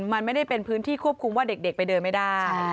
มันไม่ได้เป็นพื้นที่ควบคุมว่าเด็กไปเดินไม่ได้